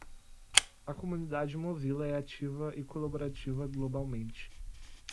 A comunidade Mozilla é ativa e colaborativa globalmente.